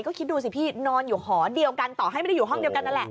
ก็คิดดูสิพี่นอนอยู่หอเดียวกันต่อให้ไม่ได้อยู่ห้องเดียวกันนั่นแหละ